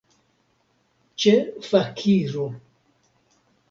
Ĉe fakiro.